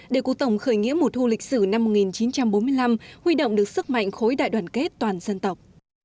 để cuộc tổng khởi nghĩa mùa thu lịch sử năm một nghìn chín trăm bốn mươi năm huy động được sức mạnh khối đại đoàn kết toàn dân tộc